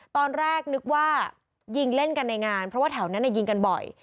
ตอนแรกนึกว่ายิงเล่นกันในงานเพราะว่าแถวนั้นยิงกันบ่อย